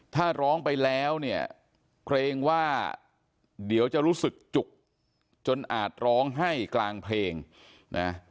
ถ้าร้องไปแล้วเนี่ยเกรงว่าเดี๋ยวจะรู้สึกจุกจนอาจร้องไห้กลางเพลงนะ